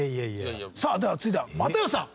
さあでは続いては又吉さん。